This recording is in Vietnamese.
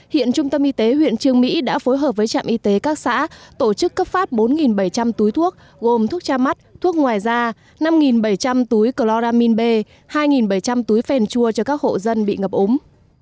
hiện trung tâm y tế huyện trương mỹ đã phối hợp với trạm y tế các xã tổ chức cấp phát bốn bảy trăm linh túi thuốc gồm thuốc tra mắt thuốc ngoài da năm bảy trăm linh túi chloramine b hai bảy trăm linh túi phèn chua cho các hộ dân bị ngập ống